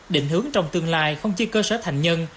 định hướng trong tương lai không chỉ cơ sở thành nhân